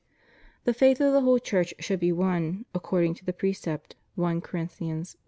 * "The faith of the whole Church should be one, according to the precept (1 Corinthians i.